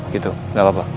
gitu gak apa apa